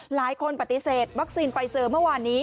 หลายคนปฏิเสธวัคซีนไฟเซอร์เมื่อวานนี้